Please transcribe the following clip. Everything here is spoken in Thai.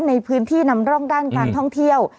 ในพื้นที่นำร่องด้านการท่องเที่ยว